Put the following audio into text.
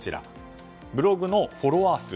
ブログのフォロワー数。